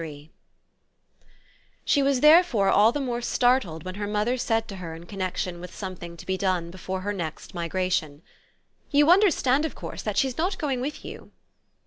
III She was therefore all the more startled when her mother said to her in connexion with something to be done before her next migration: "You understand of course that she's not going with you."